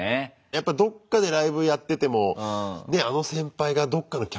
やっぱどっかでライブやっててもねあの先輩がどっかの客席で見てんだな。